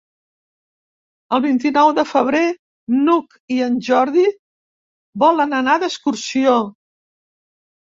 El vint-i-nou de febrer n'Hug i en Jordi volen anar d'excursió.